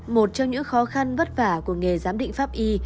một trong những khó khăn vất vả của nghề giám định pháp y